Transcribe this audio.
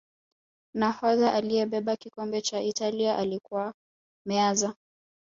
nahodha aliyebeba kikombe cha italia alikuwa Meazza